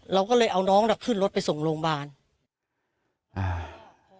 เราก็เลยเอาน้องน่ะขึ้นรถไปส่งโรงพยาบาลอ่า